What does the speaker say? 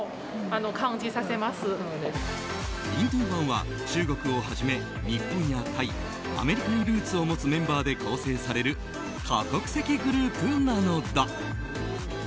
ＩＮＴＯ１は中国をはじめ日本やタイ、アメリカにルーツを持つメンバーで構成される多国籍グループなのだ。